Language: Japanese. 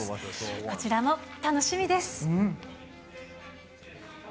こちらも楽しみです。